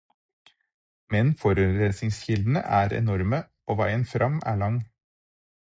Men forurensningskildene er enorme, og veien fram er lang.